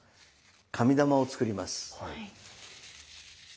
紙玉を作ります。